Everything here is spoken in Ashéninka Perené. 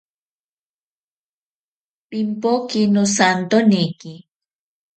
Pimpoke nosantoneki.